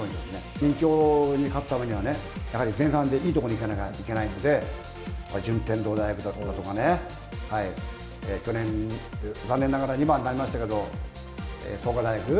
２強に勝つためにはね、やはり前半でいい所に行かなきゃいけないので、順天堂大学だったりとかね、去年、残念ながら２番になりましたけど、創価大学。